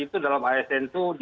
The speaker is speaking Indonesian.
itu dalam asn itu